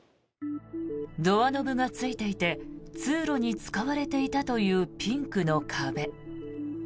ドアノブがついていて通路に使われていたというピンクの壁。